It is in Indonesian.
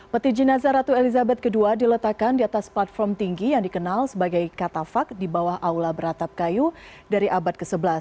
peti jenazah ratu elizabeth ii diletakkan di atas platform tinggi yang dikenal sebagai katafak di bawah aula beratap kayu dari abad ke sebelas